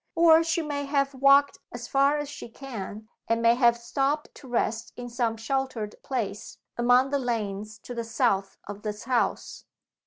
Or she may have walked as far as she can, and may have stopped to rest in some sheltered place, among the lanes to the south of this house."